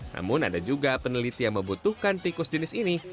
namun ada juga peneliti yang membutuhkan tikus jenis ini